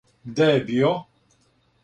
Где је био.